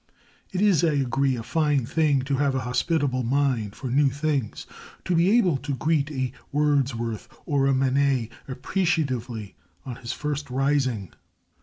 It is, I agree, a fine thing to have a hospitable mind for new things to be able to greet a Wordsworth or a Manet appreciatively on his first rising.